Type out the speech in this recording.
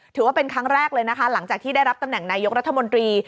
ถือว่าเป็นครั้งแรกเลยนะคะหลังจากที่ได้รับตำแหน่งนายกรัฐมนตรี